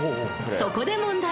［そこで問題］